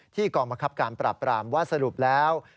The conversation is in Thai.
ที่กรมกับการปรับรามว่าสรุปแล้ว